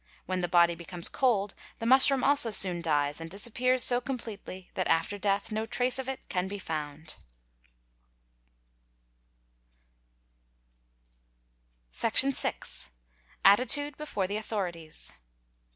When the body becomes cold the mushroom also soon dies and disappears so completely that after death no trace of it can be found ®,| i Section vi. —Attitude before the Authorities.